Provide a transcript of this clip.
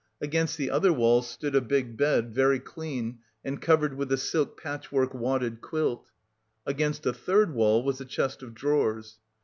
Against the other wall stood a big bed, very clean and covered with a silk patchwork wadded quilt. Against a third wall was a chest of drawers.